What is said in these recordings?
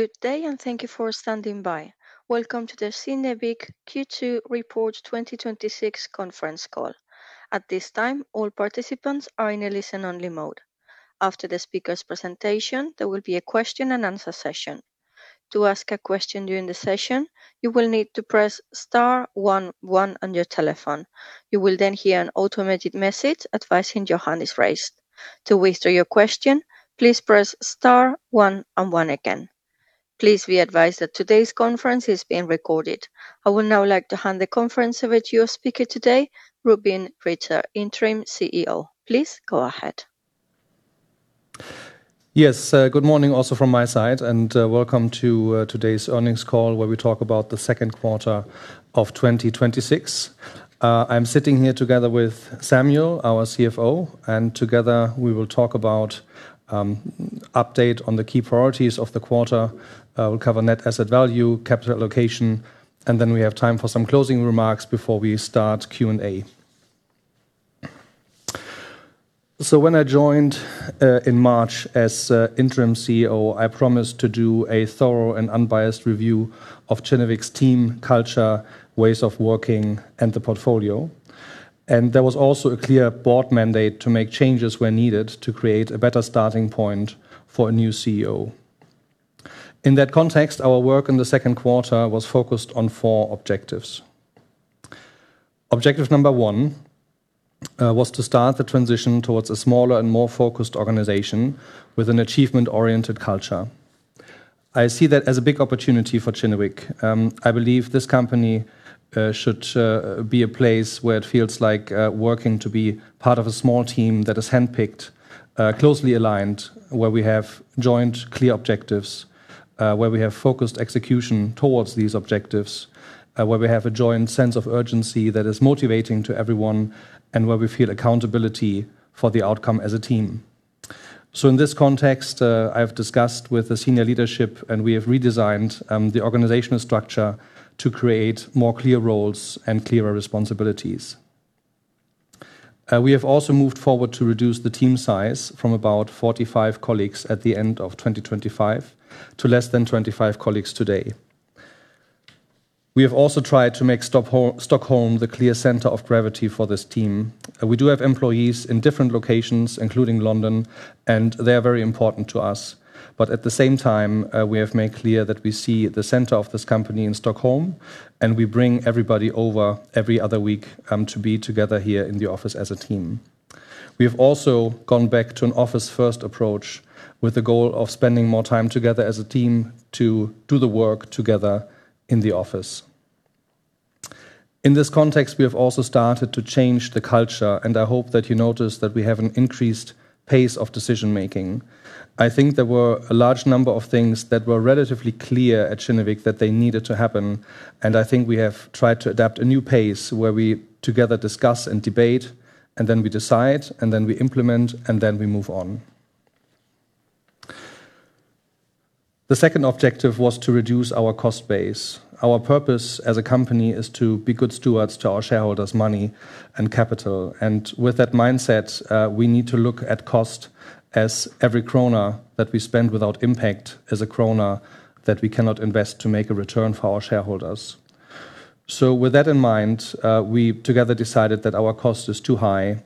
Good day. Thank you for standing by. Welcome to the Kinnevik Q2 Report 2026 Conference Call. At this time, all participants are in a listen-only mode. After the speakers' presentation, there will be a question and answer session. To ask a question during the session, you will need to press star one one on your telephone. You will then hear an automated message advising your hand is raised. To withdraw your question, please press star one and one again. Please be advised that today's conference is being recorded. I would now like to hand the conference over to your speaker today, Rubin Ritter, Interim CEO. Please go ahead. Good morning also from my side, and welcome to today's earnings call, where we talk about the second quarter of 2026. I'm sitting here together with Samuel, our CFO, and together we will talk about update on the key priorities of the quarter. We'll cover net asset value, capital allocation, and then we have time for some closing remarks before we start Q&A. When I joined in March as Interim CEO, I promised to do a thorough and unbiased review of Kinnevik's team, culture, ways of working, and the portfolio. There was also a clear board mandate to make changes where needed to create a better starting point for a new CEO. In that context, our work in the second quarter was focused on four objectives. Objective number one was to start the transition towards a smaller and more focused organization with an achievement-oriented culture. I see that as a big opportunity for Kinnevik. I believe this company should be a place where it feels like working to be part of a small team that is handpicked, closely aligned, where we have joint clear objectives, where we have focused execution towards these objectives, where we have a joint sense of urgency that is motivating to everyone, and where we feel accountability for the outcome as a team. In this context, I have discussed with the senior leadership and we have redesigned the organizational structure to create more clear roles and clearer responsibilities. We have also moved forward to reduce the team size from about 45 colleagues at the end of 2025 to less than 25 colleagues today. We have also tried to make Stockholm the clear center of gravity for this team. We do have employees in different locations, including London, and they are very important to us. At the same time, we have made clear that we see the center of this company in Stockholm, and we bring everybody over every other week to be together here in the office as a team. We have also gone back to an office-first approach with the goal of spending more time together as a team to do the work together in the office. In this context, we have also started to change the culture, and I hope that you notice that we have an increased pace of decision-making. I think there were a large number of things that were relatively clear at Kinnevik that they needed to happen, and I think we have tried to adapt a new pace where we together discuss and debate, then we decide, then we implement, then we move on. The second objective was to reduce our cost base. Our purpose as a company is to be good stewards to our shareholders' money and capital. With that mindset, we need to look at cost as every kronor that we spend without impact is a kronor that we cannot invest to make a return for our shareholders. With that in mind, we together decided that our cost is too high.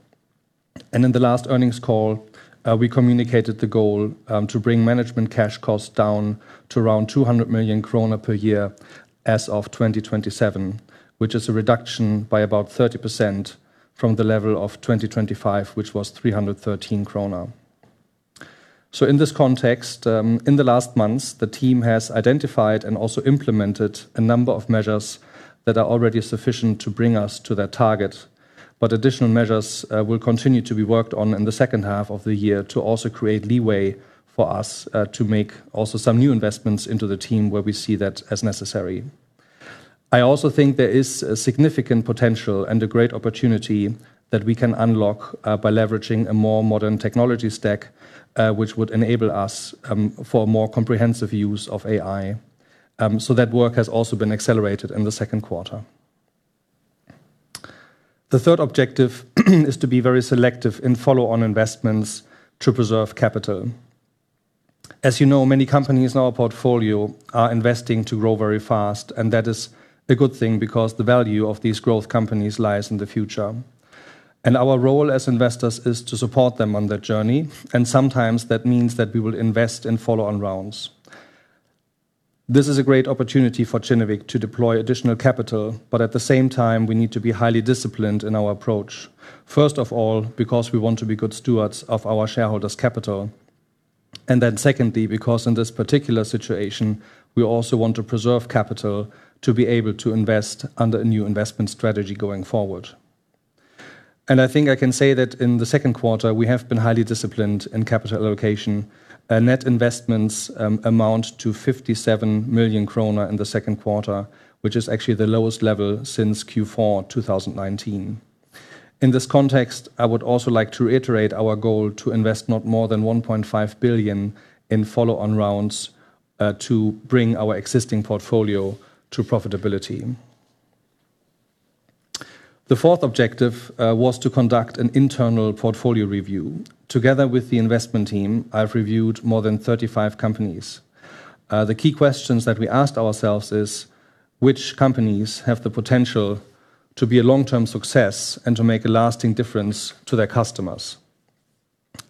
In the last earnings call, we communicated the goal to bring management cash costs down to around 200 million kronor per year as of 2027, which is a reduction by about 30% from the level of 2025, which was 313 million kronor. In this context, in the last months, the team has identified and also implemented a number of measures that are already sufficient to bring us to that target. Additional measures will continue to be worked on in the second half of the year to also create leeway for us to make also some new investments into the team where we see that as necessary. I also think there is a significant potential and a great opportunity that we can unlock by leveraging a more modern technology stack, which would enable us for more comprehensive use of AI. That work has also been accelerated in the second quarter. The third objective is to be very selective in follow-on investments to preserve capital. As you know, many companies in our portfolio are investing to grow very fast, and that is a good thing because the value of these growth companies lies in the future. Our role as investors is to support them on their journey, and sometimes that means that we will invest in follow-on rounds. This is a great opportunity for Kinnevik to deploy additional capital, at the same time, we need to be highly disciplined in our approach. First of all, because we want to be good stewards of our shareholders' capital, then secondly, because in this particular situation, we also want to preserve capital to be able to invest under a new investment strategy going forward. I think I can say that in the second quarter, we have been highly disciplined in capital allocation. Net investments amount to 57 million kronor in the second quarter, which is actually the lowest level since Q4 2019. In this context, I would also like to reiterate our goal to invest not more than 1.5 billion in follow-on rounds to bring our existing portfolio to profitability. The fourth objective was to conduct an internal portfolio review. Together with the investment team, I've reviewed more than 35 companies. The key questions that we asked ourselves is: which companies have the potential to be a long-term success and to make a lasting difference to their customers?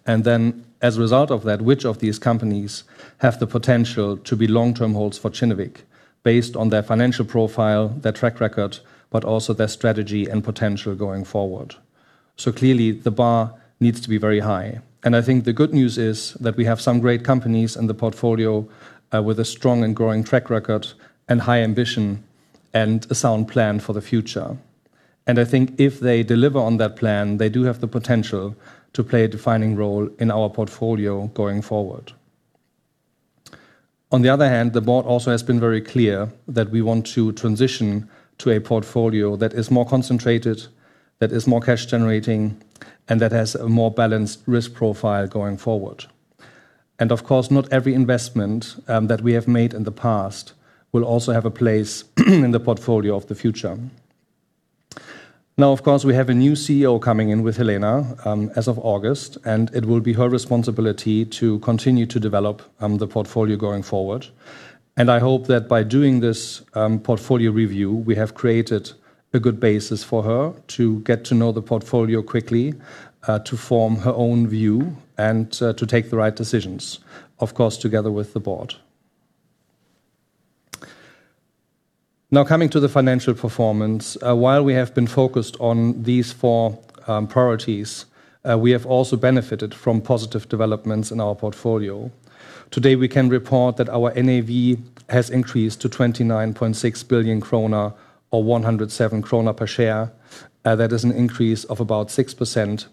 As a result of that, which of these companies have the potential to be long-term holds for Kinnevik based on their financial profile, their track record, but also their strategy and potential going forward? Clearly the bar needs to be very high. I think the good news is that we have some great companies in the portfolio with a strong and growing track record and high ambition and a sound plan for the future. I think if they deliver on that plan, they do have the potential to play a defining role in our portfolio going forward. On the other hand, the board also has been very clear that we want to transition to a portfolio that is more concentrated, that is more cash generating, and that has a more balanced risk profile going forward. Of course, not every investment that we have made in the past will also have a place in the portfolio of the future. Of course, we have a new CEO coming in with Helena as of August, it will be her responsibility to continue to develop the portfolio going forward. I hope that by doing this portfolio review, we have created a good basis for her to get to know the portfolio quickly, to form her own view, and to take the right decisions, of course, together with the board. Coming to the financial performance. While we have been focused on these four priorities, we have also benefited from positive developments in our portfolio. Today we can report that our NAV has increased to 29.6 billion kronor or 107 kronor per share. That is an increase of about 6%.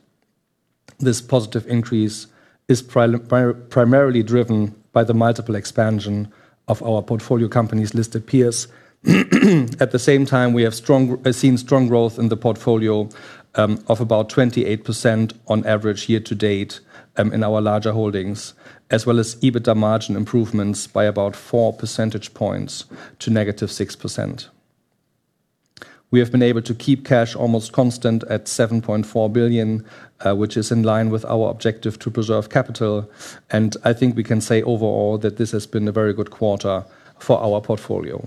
This positive increase is primarily driven by the multiple expansion of our portfolio companies' listed peers. At the same time, we have seen strong growth in the portfolio of about 28% on average year to date in our larger holdings, as well as EBITDA margin improvements by about four percentage points to -6%. We have been able to keep cash almost constant at 7.4 billion, which is in line with our objective to preserve capital. I think we can say overall that this has been a very good quarter for our portfolio.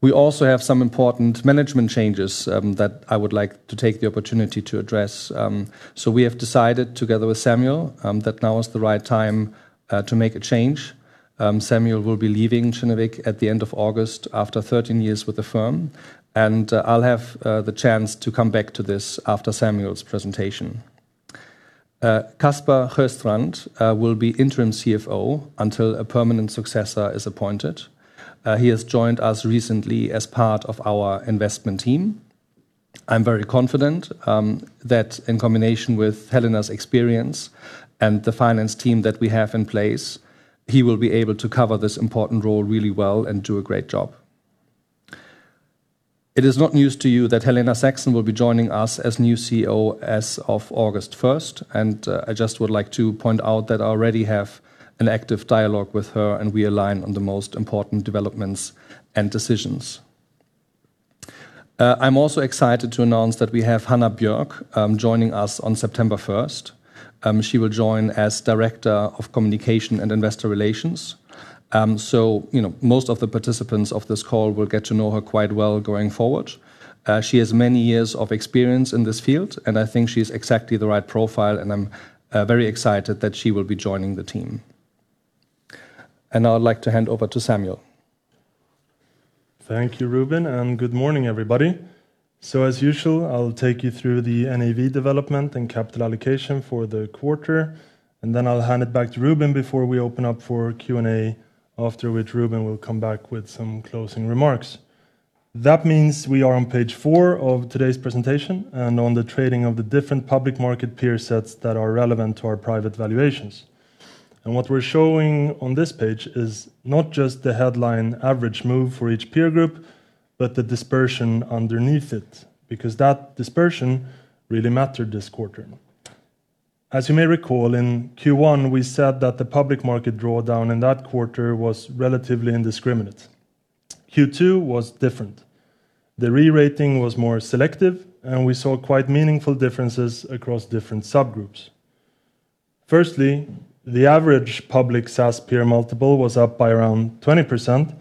We also have some important management changes that I would like to take the opportunity to address. We have decided together with Samuel that now is the right time to make a change. Samuel will be leaving Kinnevik at the end of August after 13 years with the firm. I'll have the chance to come back to this after Samuel's presentation. Caspar Sjöstrand will be Interim CFO until a permanent successor is appointed. He has joined us recently as part of our investment team. I'm very confident that in combination with Helena's experience and the finance team that we have in place, he will be able to cover this important role really well and do a great job. It is not news to you that Helena Saxon will be joining us as new CEO as of August 1st. I just would like to point out that I already have an active dialogue with her, we align on the most important developments and decisions. I'm also excited to announce that we have Hannah Björk joining us on September 1st. She will join as Director of Communications and Investor Relations. Most of the participants of this call will get to know her quite well going forward. She has many years of experience in this field, and I think she's exactly the right profile, and I am very excited that she will be joining the team. Now I would like to hand over to Samuel. Thank you, Rubin, and good morning, everybody. As usual, I will take you through the NAV development and capital allocation for the quarter, and then I will hand it back to Rubin before we open up for Q&A, after which Rubin will come back with some closing remarks. That means we are on page four of today's presentation and on the trading of the different public market peer sets that are relevant to our private valuations. What we are showing on this page is not just the headline average move for each peer group, but the dispersion underneath it, because that dispersion really mattered this quarter. As you may recall, in Q1, we said that the public market drawdown in that quarter was relatively indiscriminate. Q2 was different. The re-rating was more selective, and we saw quite meaningful differences across different subgroups. The average public SaaS peer multiple was up by around 20%,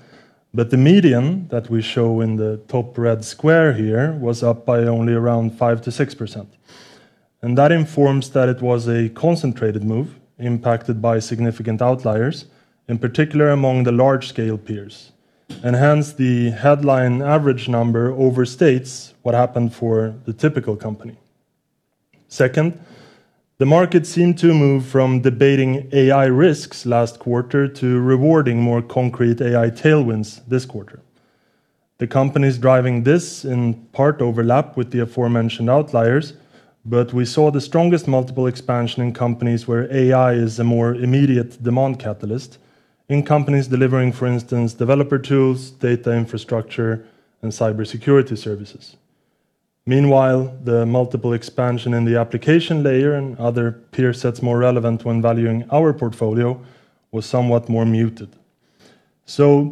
but the median that we show in the top red square here was up by only around 5%-6%. That informs that it was a concentrated move impacted by significant outliers, in particular among the large-scale peers. Hence the headline average number overstates what happened for the typical company. The market seemed to move from debating AI risks last quarter to rewarding more concrete AI tailwinds this quarter. The companies driving this in part overlap with the aforementioned outliers, but we saw the strongest multiple expansion in companies where AI is a more immediate demand catalyst in companies delivering, for instance, developer tools, data infrastructure, and cybersecurity services. Meanwhile, the multiple expansion in the application layer and other peer sets more relevant when valuing our portfolio was somewhat more muted.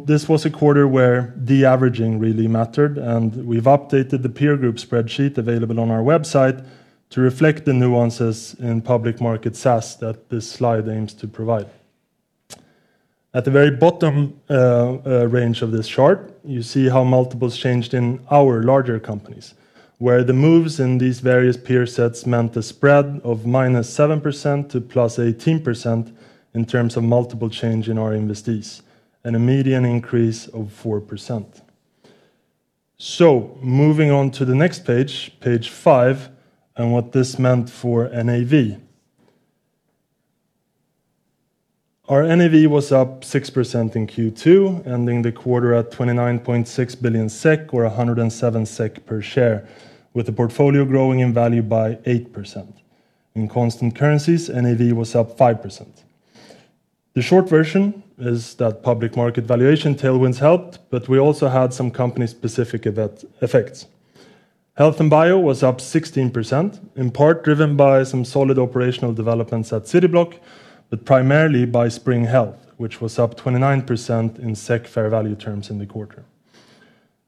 This was a quarter where de-averaging really mattered, and we have updated the peer group spreadsheet available on our website to reflect the nuances in public market SaaS that this slide aims to provide. At the very bottom range of this chart, you see how multiples changed in our larger companies, where the moves in these various peer sets meant a spread of -7% to +18% in terms of multiple change in our investees and a median increase of 4%. Moving on to the next page five, and what this meant for NAV. Our NAV was up 6% in Q2, ending the quarter at 29.6 billion SEK or 107 SEK per share, with the portfolio growing in value by 8%. In constant currencies, NAV was up 5%. The short version is that public market valuation tailwinds helped, but we also had some company-specific effects. Health & Bio was up 16%, in part driven by some solid operational developments at Cityblock, but primarily by Spring Health, which was up 29% in SEK fair value terms in the quarter.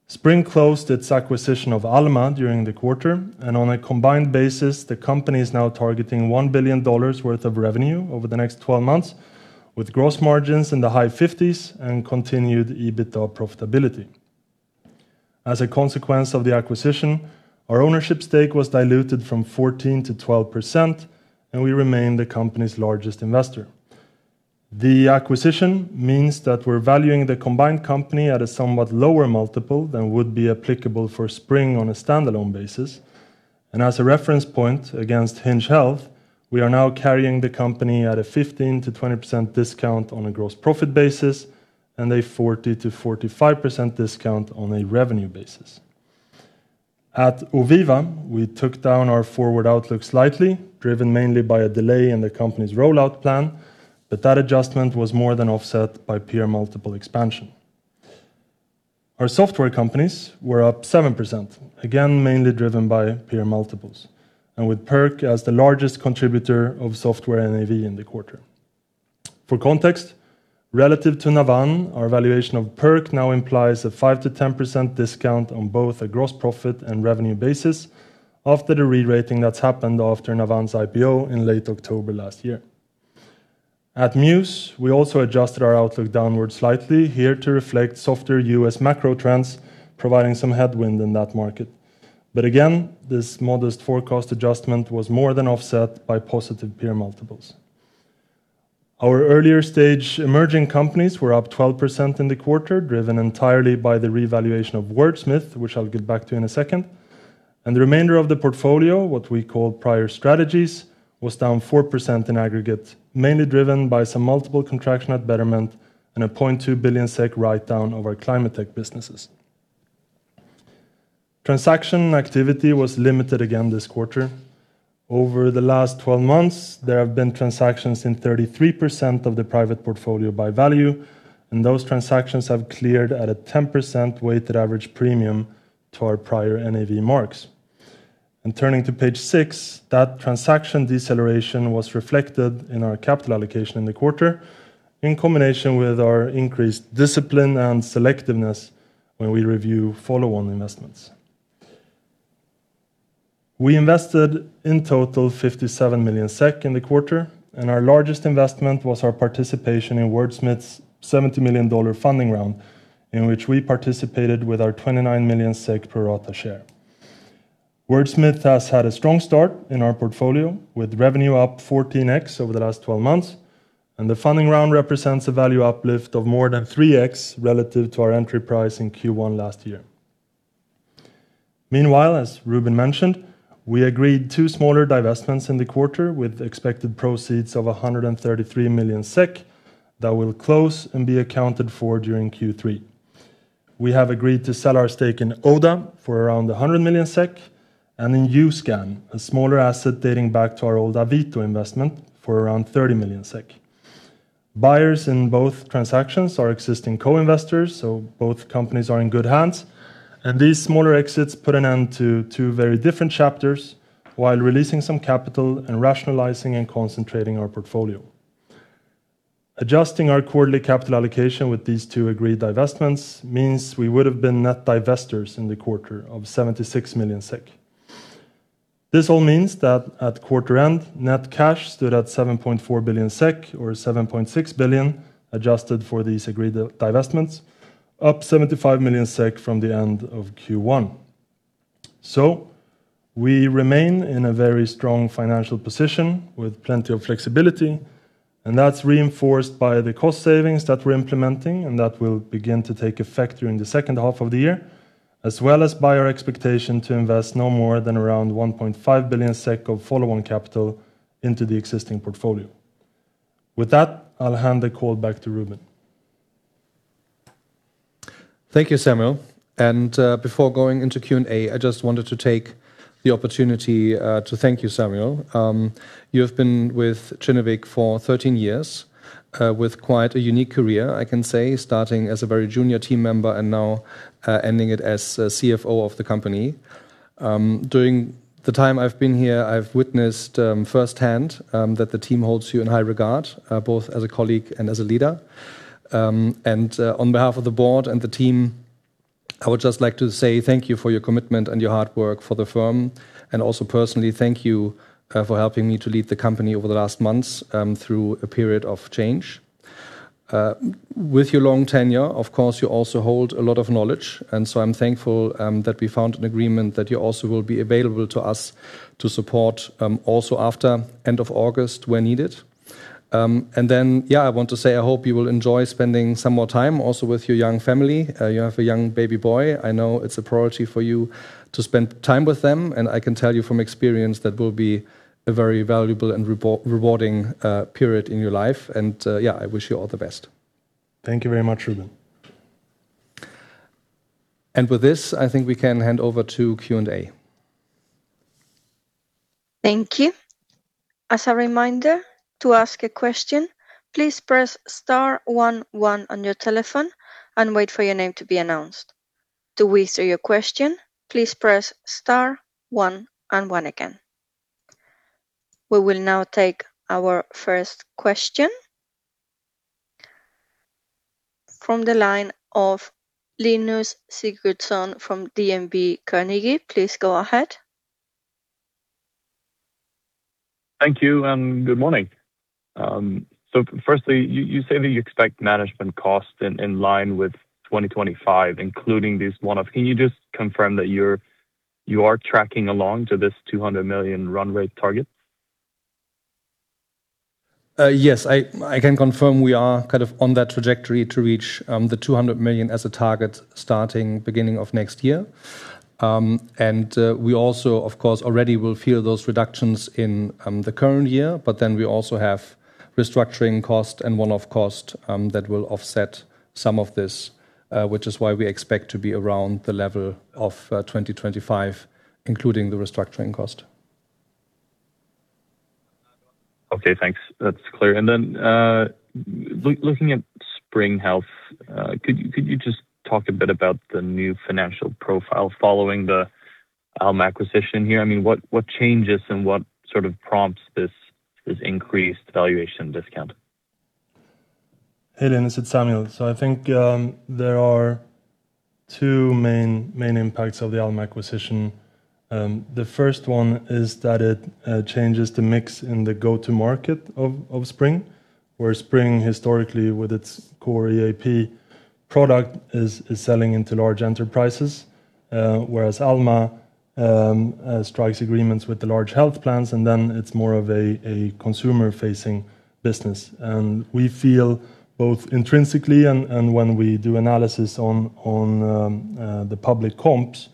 Spring closed its acquisition of Alma during the quarter, and on a combined basis, the company is now targeting $1 billion worth of revenue over the next 12 months, with gross margins in the high 50s and continued EBITDA profitability. As a consequence of the acquisition, our ownership stake was diluted from 14% to 12%, and we remain the company's largest investor. The acquisition means that we're valuing the combined company at a somewhat lower multiple than would be applicable for Spring on a standalone basis. As a reference point against Hinge Health, we are now carrying the company at a 15%-20% discount on a gross profit basis and a 40%-45% discount on a revenue basis. At Oviva, we took down our forward outlook slightly, driven mainly by a delay in the company's rollout plan, but that adjustment was more than offset by peer multiple expansion. Our software companies were up 7%, again, mainly driven by peer multiples and with Perk as the largest contributor of software NAV in the quarter. For context, relative to Navan, our valuation of Perk now implies a 5%-10% discount on both a gross profit and revenue basis after the re-rating that's happened after Navan's IPO in late October last year. At Mews, we also adjusted our outlook downward slightly, here to reflect softer U.S. macro trends, providing some headwind in that market. Again, this modest forecast adjustment was more than offset by positive peer multiples. Our earlier-stage emerging companies were up 12% in the quarter, driven entirely by the revaluation of Wordsmith, which I'll get back to in a second. The remainder of the portfolio, what we call prior strategies, was down 4% in aggregate, mainly driven by some multiple contraction at Betterment and a 0.2 billion SEK write-down of our climate tech businesses. Transaction activity was limited again this quarter. Over the last 12 months, there have been transactions in 33% of the private portfolio by value, and those transactions have cleared at a 10% weighted average premium to our prior NAV marks. Turning to page six, that transaction deceleration was reflected in our capital allocation in the quarter in combination with our increased discipline and selectiveness when we review follow-on investments. We invested in total 57 million SEK in the quarter, and our largest investment was our participation in Wordsmith's $70 million funding round, in which we participated with our 29 million SEK pro rata share. Wordsmith has had a strong start in our portfolio, with revenue up 14x over the last 12 months, and the funding round represents a value uplift of more than 3x relative to our entry price in Q1 last year. Meanwhile, as Rubin mentioned, we agreed two smaller divestments in the quarter with expected proceeds of 133 million SEK that will close and be accounted for during Q3. We have agreed to sell our stake in Oda for around 100 million SEK and in YouScan, a smaller asset dating back to our old Avito investment, for around 30 million SEK. Buyers in both transactions are existing co-investors. Both companies are in good hands, these smaller exits put an end to two very different chapters while releasing some capital and rationalizing and concentrating our portfolio. Adjusting our quarterly capital allocation with these two agreed divestments means we would have been net divestors in the quarter of 76 million SEK. At quarter end, net cash stood at 7.4 billion SEK or 7.6 billion adjusted for these agreed divestments, up 75 million SEK from the end of Q1. We remain in a very strong financial position with plenty of flexibility. That's reinforced by the cost savings that we're implementing and that will begin to take effect during the second half of the year, as well as by our expectation to invest no more than around 1.5 billion SEK of follow-on capital into the existing portfolio. With that, I'll hand the call back to Rubin. Thank you, Samuel. Before going into Q&A, I just wanted to take the opportunity to thank you, Samuel. You have been with Kinnevik for 13 years, with quite a unique career, I can say, starting as a very junior team member and now ending it as CFO of the company. During the time I've been here, I've witnessed firsthand that the team holds you in high regard, both as a colleague and as a leader. On behalf of the board and the team, I would just like to say thank you for your commitment and your hard work for the firm. Also personally thank you for helping me to lead the company over the last months through a period of change. With your long tenure, of course, you also hold a lot of knowledge. I'm thankful that we found an agreement that you also will be available to us to support also after end of August where needed. I want to say I hope you will enjoy spending some more time also with your young family. You have a young baby boy. I know it's a priority for you to spend time with them. I can tell you from experience that will be a very valuable and rewarding period in your life. I wish you all the best. Thank you very much, Rubin. With this, I think we can hand over to Q&A. Thank you. As a reminder, to ask a question, please press star one one on your telephone and wait for your name to be announced. To withdraw your question, please press star one and one again. We will now take our first question from the line of Linus Sigurdson from DNB Carnegie. Please go ahead. Thank you. Good morning. Firstly, you say that you expect management cost in line with 2025, including these one-off. Can you just confirm that you are tracking along to this 200 million runway target? Yes, I can confirm we are on that trajectory to reach 200 million as a target starting beginning of next year. We also, of course, already will feel those reductions in the current year. We also have restructuring cost and one-off cost that will offset some of this, which is why we expect to be around the level of 2025, including the restructuring cost. Okay, thanks. That's clear. Looking at Spring Health, could you just talk a bit about the new financial profile following the Alma acquisition here? What changes and what sort of prompts this increased valuation discount? Hey, Linus. It's Samuel. I think there are two main impacts of the Alma acquisition. The first one is that it changes the mix in the go-to market of Spring, where Spring historically with its core EAP product is selling into large enterprises, whereas Alma strikes agreements with the large health plans, and then it's more of a consumer-facing business. We feel both intrinsically and when we do analysis on the public comps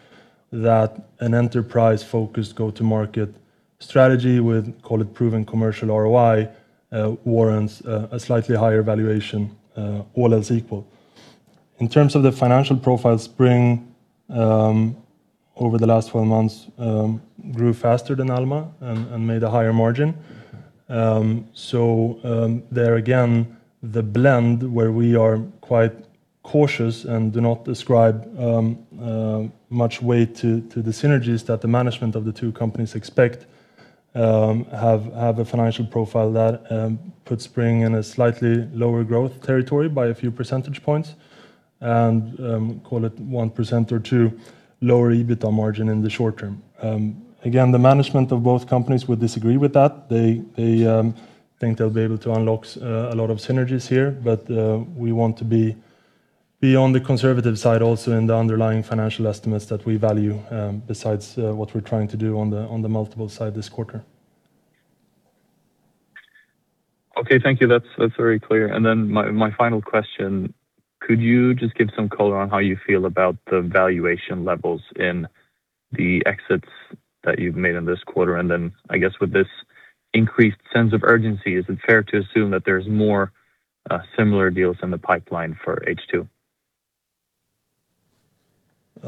that an enterprise focus go-to-market strategy with, call it proven commercial ROI, warrants a slightly higher valuation, all else equal. In terms of the financial profile, Spring, over the last 12 months, grew faster than Alma and made a higher margin. There again, the blend where we are quite cautious and do not ascribe much weight to the synergies that the management of the two companies expect have a financial profile that puts Spring in a slightly lower growth territory by a few percentage points and call it 1% or 2% lower EBITDA margin in the short term. Again, the management of both companies would disagree with that. They think they'll be able to unlock a lot of synergies here. We want to be on the conservative side also in the underlying financial estimates that we value besides what we're trying to do on the multiple side this quarter. Okay, thank you. That's very clear. My final question, could you just give some color on how you feel about the valuation levels in the exits that you've made in this quarter? I guess with this increased sense of urgency, is it fair to assume that there's more similar deals in the pipeline for H2?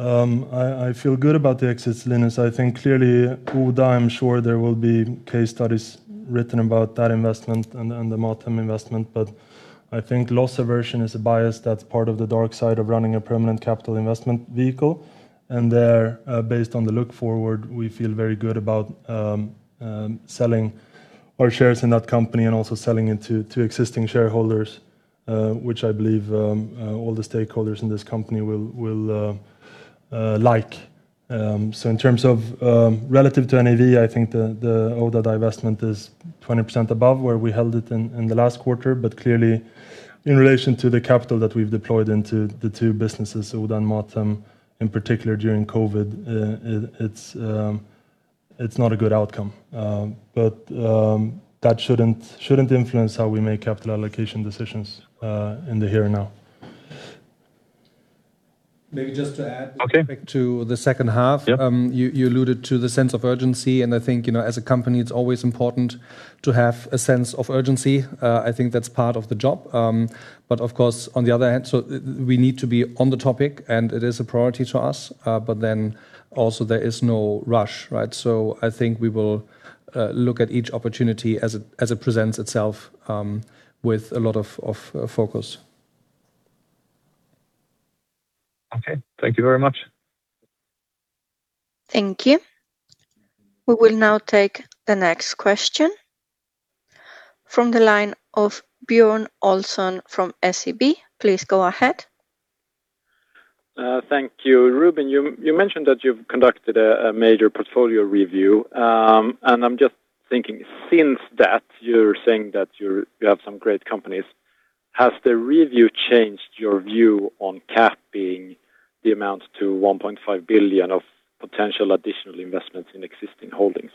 I feel good about the exits, Linus. I think clearly Oda, I'm sure there will be case studies written about that investment and the Mathem investment, but I think loss aversion is a bias that's part of the dark side of running a permanent capital investment vehicle. There, based on the look forward, we feel very good about selling our shares in that company and also selling it to existing shareholders, which I believe all the stakeholders in this company will like. In terms of relative to NAV, I think the Oda divestment is 20% above where we held it in the last quarter. Clearly in relation to the capital that we've deployed into the two businesses, Oda and Mathem, in particular during COVID, it's not a good outcome. That shouldn't influence how we make capital allocation decisions in the here and now. Maybe just to add, back to the second half. You alluded to the sense of urgency, I think, as a company, it's always important to have a sense of urgency. I think that's part of the job. Of course, on the other hand, we need to be on the topic, and it is a priority to us. Also there is no rush, right? I think we will look at each opportunity as it presents itself with a lot of focus. Okay. Thank you very much. Thank you. We will now take the next question from the line of Björn Olsson from SEB. Please go ahead. Thank you. Rubin, you mentioned that you've conducted a major portfolio review. I'm just thinking, since that, you're saying that you have some great companies. Has the review changed your view on capping the amount to 1.5 billion of potential additional investments in existing holdings?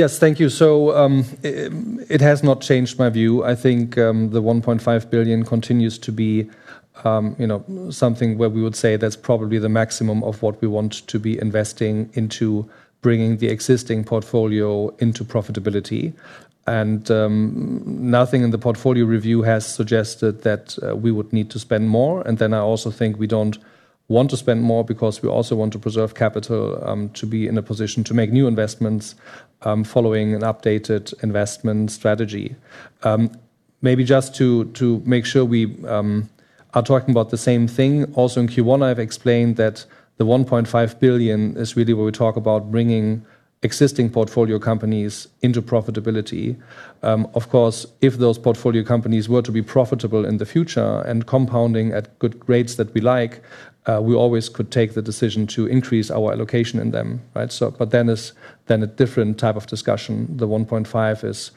Yes. Thank you. It has not changed my view. I think, the 1.5 billion continues to be something where we would say that's probably the maximum of what we want to be investing into bringing the existing portfolio into profitability. Nothing in the portfolio review has suggested that we would need to spend more. I also think we don't want to spend more because we also want to preserve capital, to be in a position to make new investments, following an updated investment strategy. Maybe just to make sure we are talking about the same thing. Also in Q1, I've explained that the 1.5 billion is really where we talk about bringing existing portfolio companies into profitability. Of course, if those portfolio companies were to be profitable in the future and compounding at good rates that we like, we always could take the decision to increase our allocation in them. Right? It's a different type of discussion. The 1.5 billion is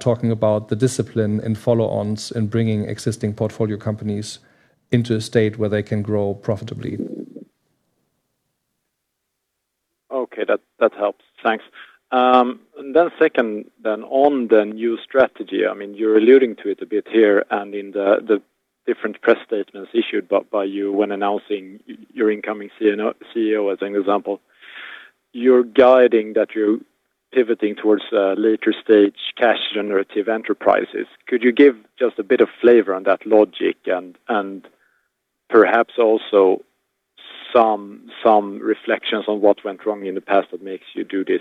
talking about the discipline in follow-ons and bringing existing portfolio companies into a state where they can grow profitably. Okay. That helps. Thanks. Second then, on the new strategy, you're alluding to it a bit here and in the different press statements issued by you when announcing your incoming CEO, as an example. You're guiding that you're pivoting towards later-stage cash generative enterprises. Could you give just a bit of flavor on that logic and perhaps also some reflections on what went wrong in the past that makes you do this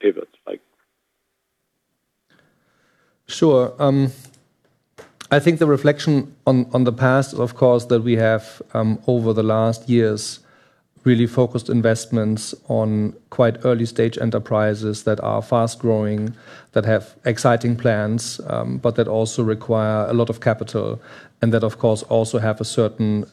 pivot like? Sure. I think the reflection on the past, of course, that we have over the last years really focused investments on quite early-stage enterprises that are fast-growing, that have exciting plans, but that also require a lot of capital. That, of course, also have a certain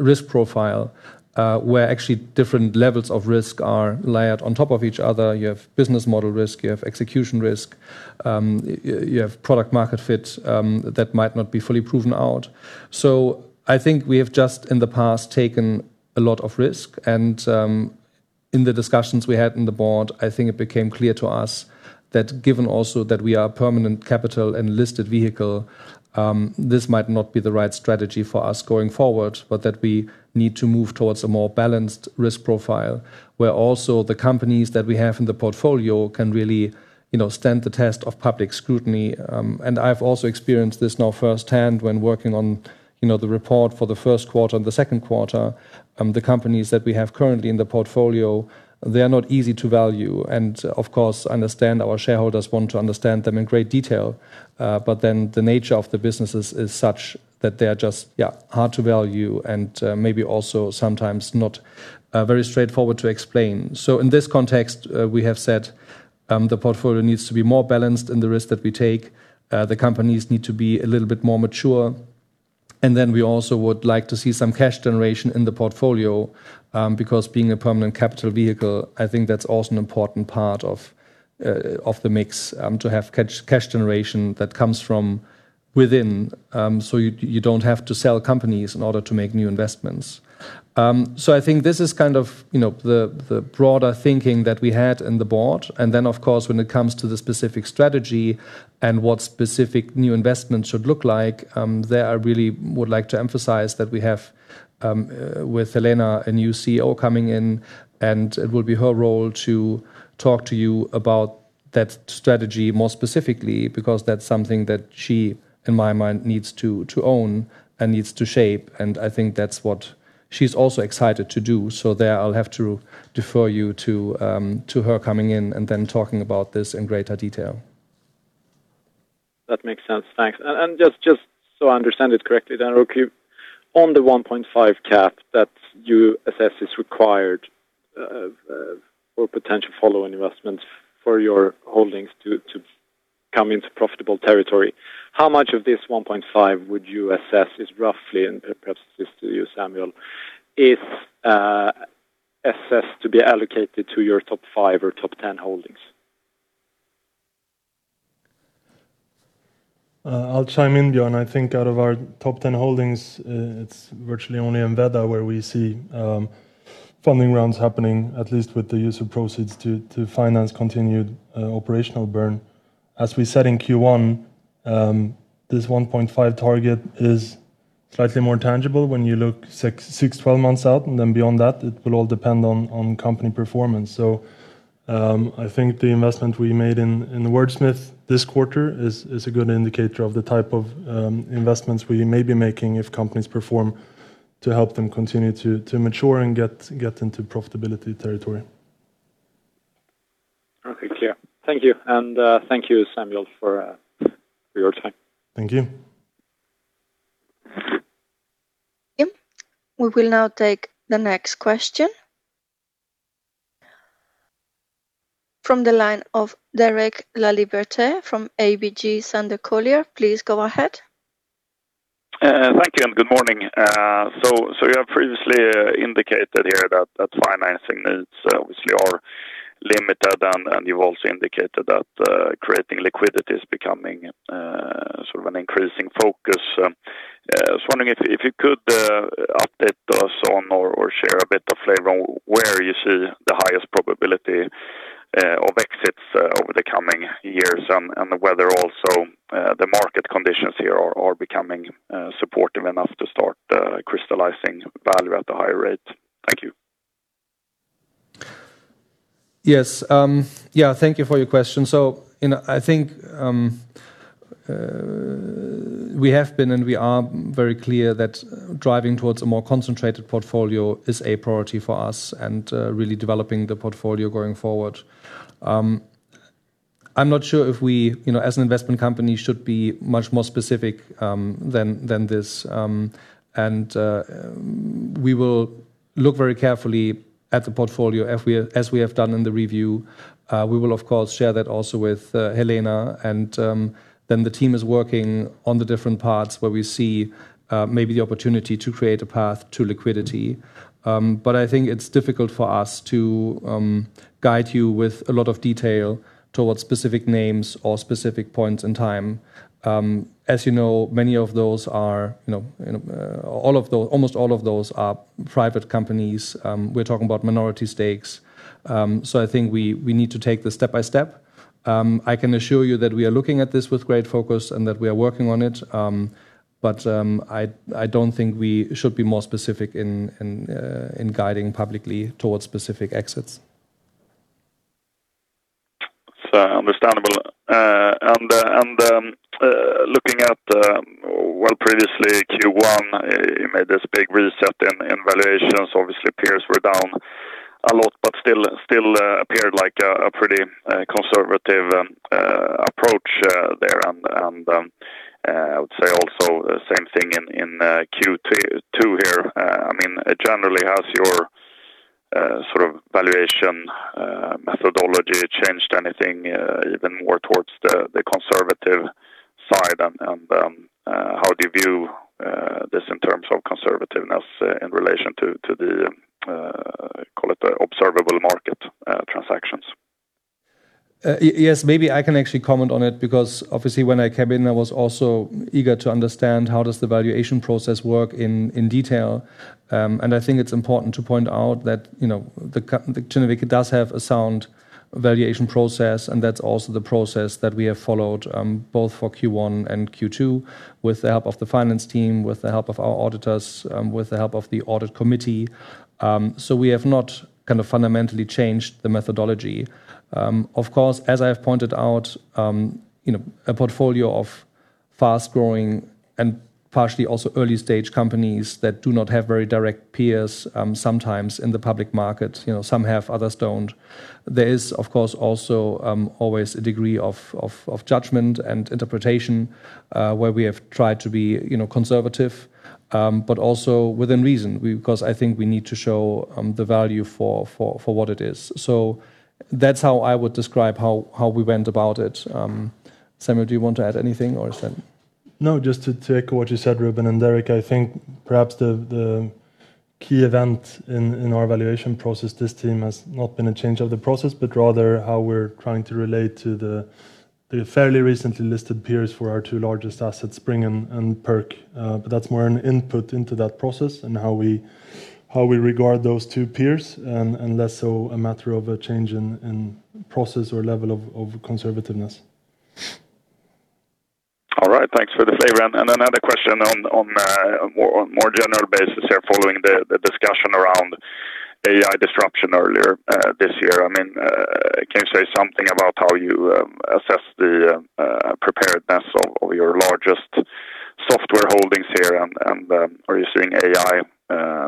risk profile, where actually different levels of risk are layered on top of each other. You have business model risk, you have execution risk, you have product-market fit that might not be fully proven out. I think we have just in the past taken a lot of risk and, in the discussions we had in the board, I think it became clear to us that given also that we are a permanent capital and listed vehicle, this might not be the right strategy for us going forward, but that we need to move towards a more balanced risk profile. Where also the companies that we have in the portfolio can really stand the test of public scrutiny. I've also experienced this now firsthand when working on the report for the first quarter and the second quarter. The companies that we have currently in the portfolio, they are not easy to value. Of course, I understand our shareholders want to understand them in great detail. The nature of the businesses is such that they are just, yeah, hard to value and maybe also sometimes not very straightforward to explain. In this context, we have said, the portfolio needs to be more balanced in the risk that we take. The companies need to be a little bit more mature. We also would like to see some cash generation in the portfolio, because being a permanent capital vehicle, I think that's also an important part of the mix, to have cash generation that comes from within, so you don't have to sell companies in order to make new investments. I think this is kind of the broader thinking that we had in the board. Of course, when it comes to the specific strategy and what specific new investments should look like, there I really would like to emphasize that we have, with Helena, a new CEO coming in, and it will be her role to talk to you about that strategy more specifically, because that's something that she, in my mind, needs to own and needs to shape, and I think that's what she's also excited to do. There, I'll have to defer you to her coming in and then talking about this in greater detail. That makes sense. Just so I understand it correctly, okay, on the 1.5 billion cap that you assess is required for potential follow-on investments for your holdings to come into profitable territory, how much of this 1.5 billion would you assess is roughly, and perhaps this to you, Samuel, is assessed to be allocated to your top five or top 10 holdings? I'll chime in, Björn. I think out of our top 10 holdings, it's virtually only Enveda where we see Funding rounds happening, at least with the use of proceeds to finance continued operational burn. As we said in Q1, this 1.5 billion target is slightly more tangible when you look six, 12 months out. Beyond that, it will all depend on company performance. I think the investment we made in Wordsmith this quarter is a good indicator of the type of investments we may be making if companies perform to help them continue to mature and get into profitability territory. Okay, clear. Thank you. Thank you, Samuel, for your time. Thank you. We will now take the next question. From the line of Derek Laliberté from ABG Sundal Collier, please go ahead. Thank you and good morning. You have previously indicated here that financing needs obviously are limited and you've also indicated that creating liquidity is becoming sort of an increasing focus. I was wondering if you could update us on or share a bit of flavor on where you see the highest probability of exits over the coming years and whether also the market conditions here are becoming supportive enough to start crystallizing value at a higher rate. Thank you. Yes. Thank you for your question. I think we have been, and we are very clear that driving towards a more concentrated portfolio is a priority for us and really developing the portfolio going forward. I'm not sure if we, as an investment company, should be much more specific than this. We will look very carefully at the portfolio as we have done in the review. We will of course, share that also with Helena and the team is working on the different parts where we see maybe the opportunity to create a path to liquidity. I think it's difficult for us to guide you with a lot of detail towards specific names or specific points in time. As you know, almost all of those are private companies. We're talking about minority stakes. I think we need to take this step by step. I can assure you that we are looking at this with great focus and that we are working on it. I don't think we should be more specific in guiding publicly towards specific exits. That's understandable. Looking at, well, previously Q1, you made this big reset in valuations. Obviously peers were down a lot, but still appeared like a pretty conservative approach there. I would say also the same thing in Q2 here. Generally, has your sort of valuation methodology changed anything even more towards the conservative side? How do you view this in terms of conservativeness in relation to the, call it the observable market transactions? Yes, maybe I can actually comment on it because obviously when I came in I was also eager to understand how does the valuation process work in detail. I think it's important to point out that Kinnevik does have a sound valuation process and that's also the process that we have followed both for Q1 and Q2 with the help of the finance team, with the help of our auditors, with the help of the audit committee. We have not fundamentally changed the methodology. Of course, as I have pointed out, a portfolio of fast-growing and partially also early-stage companies that do not have very direct peers sometimes in the public market, some have, others don't. There is of course also always a degree of judgment and interpretation where we have tried to be conservative but also within reason because I think we need to show the value for what it is. That's how I would describe how we went about it. Samuel, do you want to add anything or is that? No, just to take what you said Rubin and Derek, I think perhaps the key event in our valuation process this time has not been a change of the process but rather how we're trying to relate to the fairly recently listed peers for our two largest assets, Spring and Perk. That's more an input into that process and how we regard those two peers and less so a matter of a change in process or level of conservativeness. Thanks for the flavor. Another question on a more general basis here following the discussion around AI disruption earlier this year. Can you say something about how you assess the preparedness of your largest software holdings here and are you seeing AI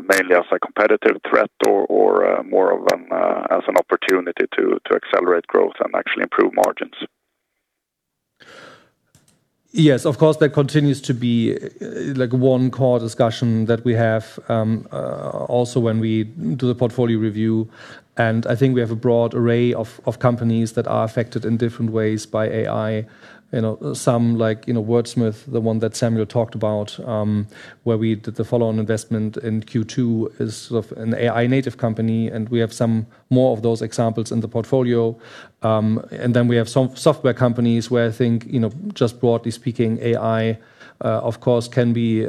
mainly as a competitive threat or more as an opportunity to accelerate growth and actually improve margins? Yes, of course that continues to be one core discussion that we have also when we do the portfolio review. I think we have a broad array of companies that are affected in different ways by AI. Some like Wordsmith, the one that Samuel talked about where we did the follow-on investment in Q2 is sort of an AI native company. We have some more of those examples in the portfolio. We have some software companies where I think, just broadly speaking, AI of course can be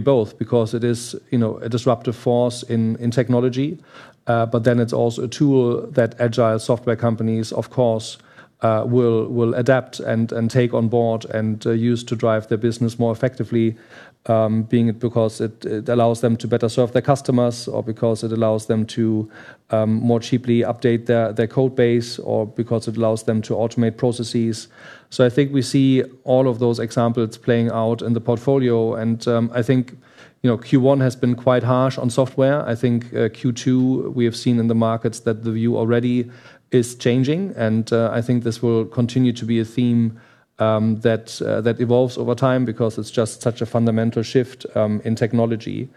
both because it is a disruptive force in technology. It's also a tool that agile software companies of course will adapt and take on board and use to drive their business more effectively because it allows them to better serve their customers or because it allows them to more cheaply update their code base or because it allows them to automate processes. I think we see all of those examples playing out in the portfolio. I think Q1 has been quite harsh on software. I think Q2, we have seen in the markets that the view already is changing. I think this will continue to be a theme that evolves over time because it's just such a fundamental shift in technology.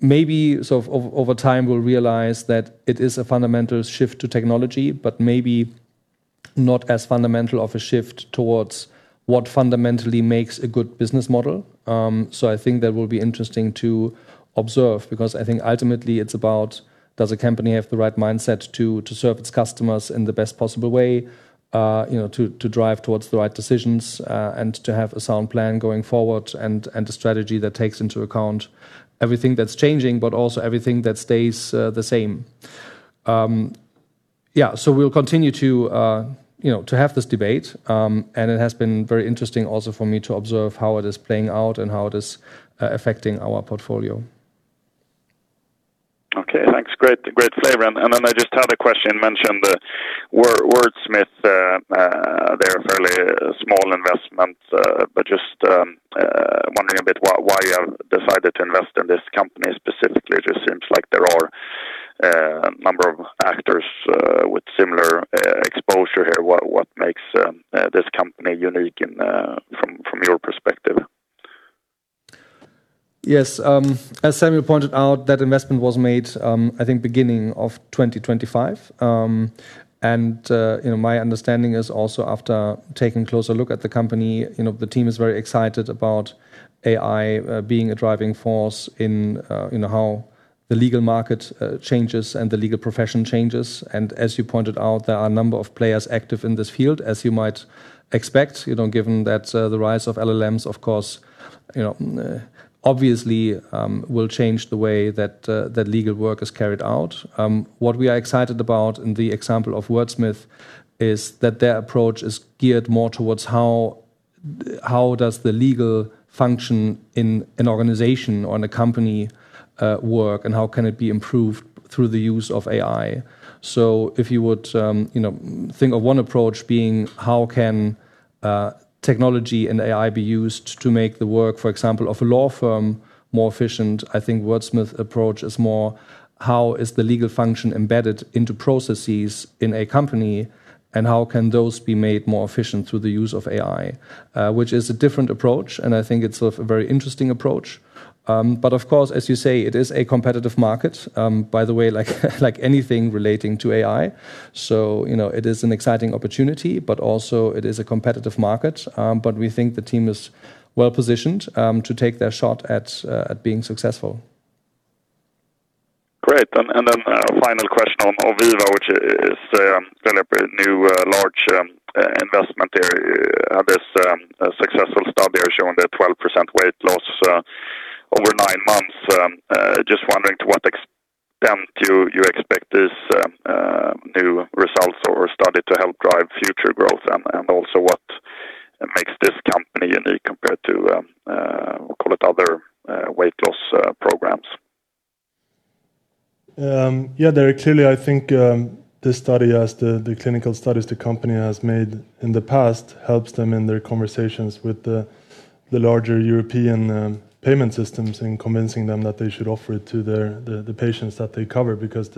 Maybe over time we'll realize that it is a fundamental shift to technology, but maybe not as fundamental of a shift towards what fundamentally makes a good business model. I think that will be interesting to observe, because I think ultimately it's about does a company have the right mindset to serve its customers in the best possible way, to drive towards the right decisions, to have a sound plan going forward, a strategy that takes into account everything that's changing, but also everything that stays the same. We'll continue to have this debate. It has been very interesting also for me to observe how it is playing out and how it is affecting our portfolio. Okay, thanks. Great flavor. I just had a question, mentioned Wordsmith. They're a fairly small investment, but just wondering a bit why you have decided to invest in this company specifically. It just seems like there are a number of actors with similar exposure here. What makes this company unique from your perspective? Yes. As Samuel pointed out, that investment was made, I think, beginning of 2025. My understanding is also after taking a closer look at the company, the team is very excited about AI being a driving force in how the legal market changes and the legal profession changes. As you pointed out, there are a number of players active in this field, as you might expect, given that the rise of LLMs, of course, obviously will change the way that legal work is carried out. What we are excited about in the example of Wordsmith is that their approach is geared more towards how does the legal function in an organization or in a company work, and how can it be improved through the use of AI. If you would think of one approach being how can technology and AI be used to make the work, for example, of a law firm more efficient, I think Wordsmith approach is more how is the legal function embedded into processes in a company, and how can those be made more efficient through the use of AI, which is a different approach, and I think it's a very interesting approach. Of course, as you say, it is a competitive market, by the way, like anything relating to AI. It is an exciting opportunity, but also it is a competitive market. We think the team is well-positioned to take their shot at being successful. Great. A final question on Oviva, which is a fairly new large investment there. This successful study are showing that 12% weight loss over nine months. Just wondering to what extent do you expect this new results or study to help drive future growth? Also what makes this company unique compared to, we'll call it other weight loss programs? Derek, clearly, I think this study, as the clinical studies the company has made in the past, helps them in their conversations with the larger European payment systems in convincing them that they should offer it to the patients that they cover, because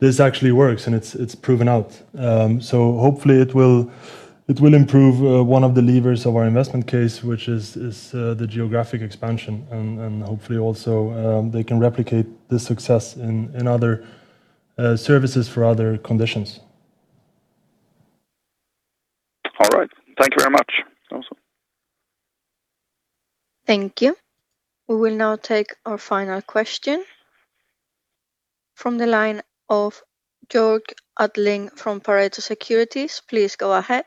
this actually works and it's proven out. Hopefully it will improve one of the levers of our investment case, which is the geographic expansion, and hopefully also they can replicate this success in other services for other conditions. All right. Thank you very much. That's all. Thank you. We will now take our final question from the line of Georg Attling from Pareto Securities. Please go ahead.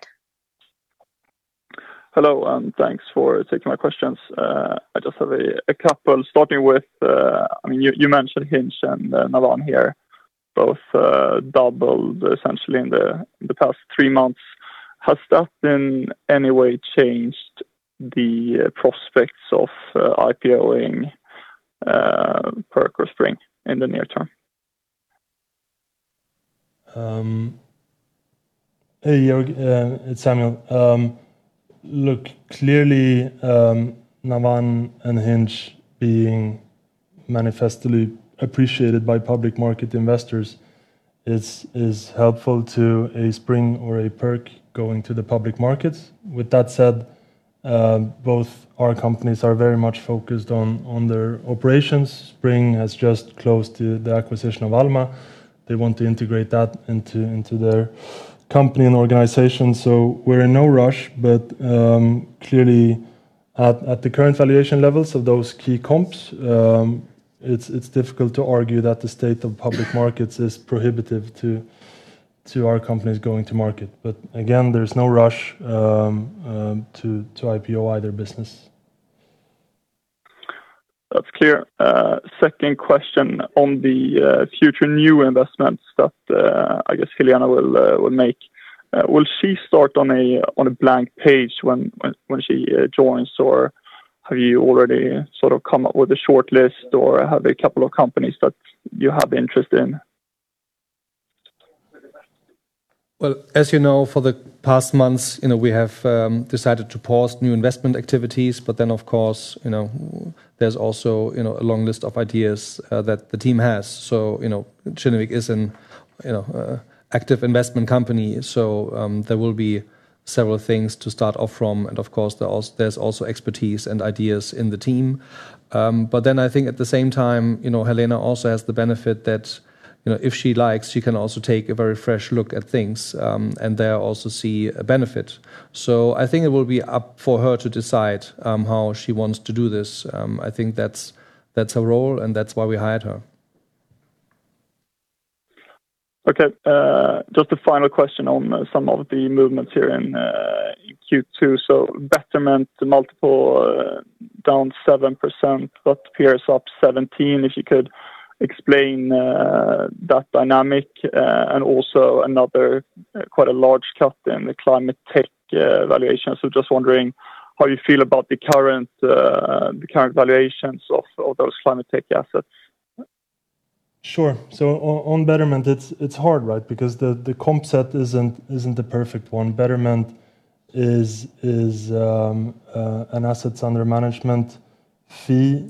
Hello, thanks for taking my questions. I just have a couple starting with, you mentioned Hinge and Navan here, both doubled essentially in the past three months. Has that in any way changed the prospects of IPO-ing Perk or Spring in the near term? Hey, Georg, it's Samuel. Look, clearly, Navan and Hinge being manifestly appreciated by public market investors is helpful to a Spring or a Perk going to the public market. With that said, both our companies are very much focused on their operations. Spring has just closed the acquisition of Alma. They want to integrate that into their company and organization, so we're in no rush. Clearly, at the current valuation levels of those key comps, it's difficult to argue that the state of public markets is prohibitive to our companies going to market. Again, there's no rush to IPO either business. That's clear. Second question on the future new investments that I guess Helena will make. Will she start on a blank page when she joins, or have you already come up with a shortlist, or have a couple of companies that you have interest in? As you know, for the past months, we have decided to pause new investment activities. Of course, there's also a long list of ideas that the team has. Kinnevik is an active investment company. There will be several things to start off from, and of course, there's also expertise and ideas in the team. I think at the same time, Helena also has the benefit that if she likes, she can also take a very fresh look at things, and there also see a benefit. I think it will be up for her to decide how she wants to do this. I think that's her role, and that's why we hired her. Okay. Just a final question on some of the movements here in Q2. Betterment, the multiple down 7%, but Perk is up 17%. If you could explain that dynamic? Also another quite a large cut in the climate tech valuation. Just wondering how you feel about the current valuations of those climate tech assets. Sure. On Betterment, it's hard, right? Because the comp set isn't the perfect one. Betterment is an assets under management fee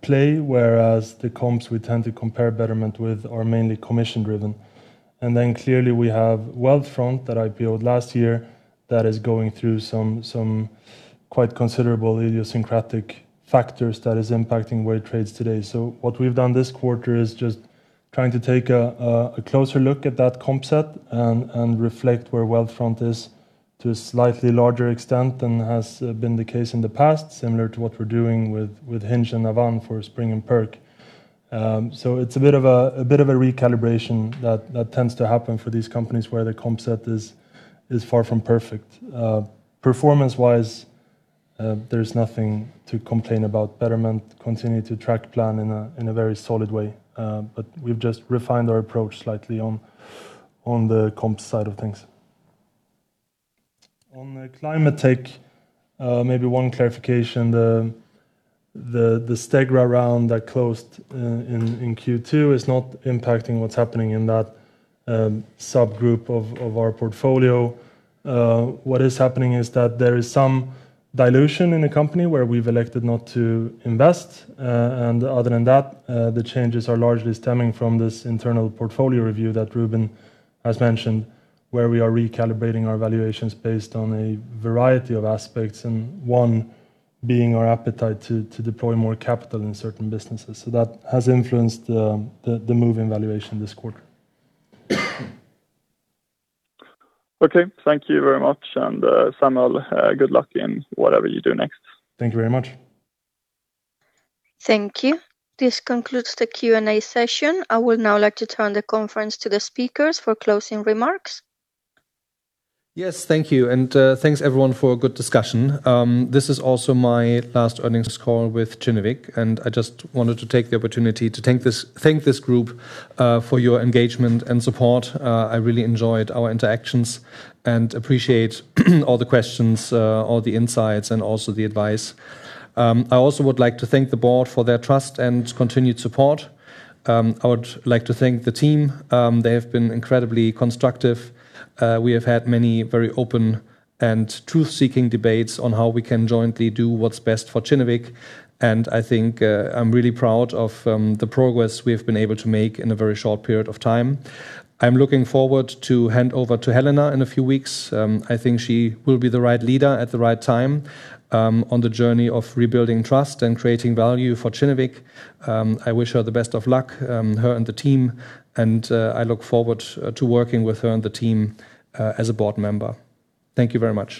play, whereas the comps we tend to compare Betterment with are mainly commission-driven. Clearly we have Wealthfront that IPO'd last year that is going through some quite considerable idiosyncratic factors that is impacting where it trades today. What we've done this quarter is just trying to take a closer look at that comp set and reflect where Wealthfront is to a slightly larger extent than has been the case in the past, similar to what we're doing with Hinge and Navan for Spring and Perk. It's a bit of a recalibration that tends to happen for these companies where the comp set is far from perfect. Performance-wise, there's nothing to complain about. Betterment continue to track plan in a very solid way. We've just refined our approach slightly on the comp side of things. On the climate tech, maybe one clarification. The Stegra round that closed in Q2 is not impacting what's happening in that subgroup of our portfolio. What is happening is that there is some dilution in the company where we've elected not to invest. Other than that, the changes are largely stemming from this internal portfolio review that Rubin has mentioned, where we are recalibrating our valuations based on a variety of aspects, and one being our appetite to deploy more capital in certain businesses. That has influenced the move in valuation this quarter. Okay. Thank you very much. Samuel, good luck in whatever you do next. Thank you very much. Thank you. This concludes the Q&A session. I would now like to turn the conference to the speakers for closing remarks. Yes, thank you, and thanks everyone for a good discussion. This is also my last earnings call with Kinnevik, and I just wanted to take the opportunity to thank this group for your engagement and support. I really enjoyed our interactions and appreciate all the questions, all the insights, and also the advice. I also would like to thank the board for their trust and continued support. I would like to thank the team. They have been incredibly constructive. We have had many very open and truth-seeking debates on how we can jointly do what's best for Kinnevik, and I think I'm really proud of the progress we've been able to make in a very short period of time. I'm looking forward to hand over to Helena in a few weeks. I think she will be the right leader at the right time on the journey of rebuilding trust and creating value for Kinnevik. I wish her the best of luck, her and the team, and I look forward to working with her and the team, as a board member. Thank you very much.